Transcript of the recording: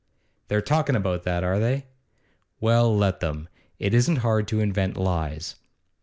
'They're talking about that, are they? Well, let them. It isn't hard to invent lies.